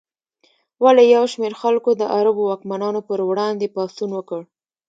ولې یو شمېر خلکو د عربو واکمنانو پر وړاندې پاڅون وکړ؟